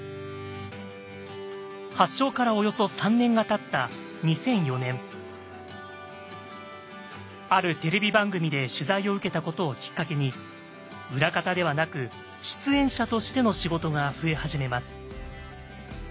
発症からおよそ３年がたったあるテレビ番組で取材を受けたことをきっかけに裏方ではなく出演者としての仕事が増え始めます。